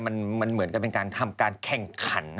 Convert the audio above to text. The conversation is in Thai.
มันเหมือนกับเป็นการทำการแข่งขัน